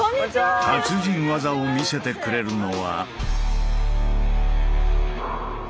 達人技を見せてくれるのは。